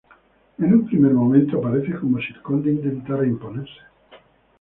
En un primer momento, parece como si el conde intentara imponerse.